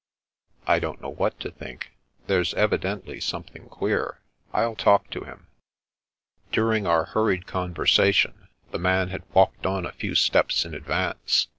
I don't know what to think. There's evidently something queer. I'll talk to him." During our hurried conversation, the man had walked on a few steps in advance.